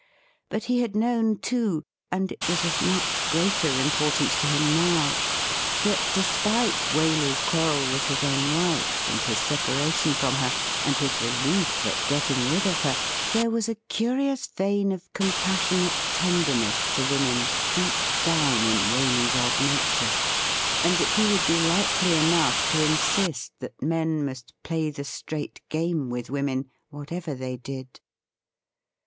But he had known, too — and it was of much greater importance to him now — that despite Waley's quarrel with his own wife, and his separation from her, and his relief at getting rid of her, there was a curious 236 THE RIDDLE RING vein of compassionate tenderness to women deep down in Waley's odd nature, and that he would be likely enough to insist that men must play the straight game with women, whatever they did.